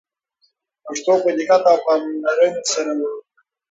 پښتو په دقت او پاملرنې سره ولیکه.